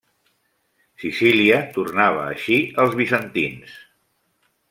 Sicília tornava així als bizantins.